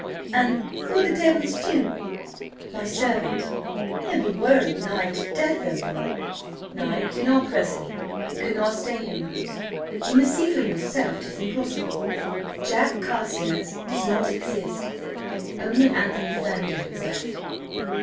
"And who the devil is Jim?" "My servant. He'll be worried nigh to death over me. Nay, do not press me, I could not stay here, Miles. You must see for yourself 'tis impossible–Jack Carstares does not exist; only Anthony Ferndale is left."